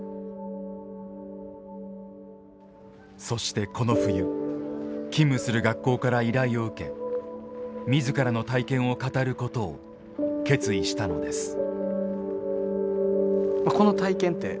そしてこの冬勤務する学校から依頼を受け自らの体験を語ることを決意したのです。